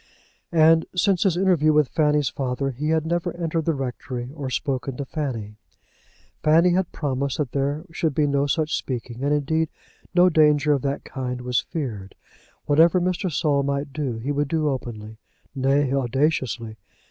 And since his interview with Fanny's father he had never entered the rectory, or spoken to Fanny. Fanny had promised that there should be no such speaking, and indeed no danger of that kind was feared. Whatever Mr. Saul might do he would do openly, nay, audaciously.